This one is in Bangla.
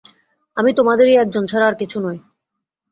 আমি তোমাদেরই একজন ছাড়া আর কিছু নই।